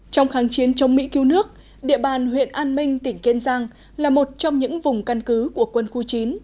trong kháng chiến chống mỹ cứu nước địa bàn huyện an minh tỉnh kiên giang là một trong những vùng căn cứ của quân khu chín